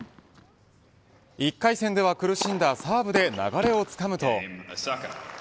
１回戦では苦しんだサーブで流れをつかむと。